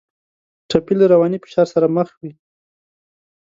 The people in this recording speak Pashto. ټپي له رواني فشار سره مخ وي.